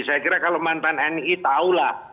saya kira kalau mantan ni tahulah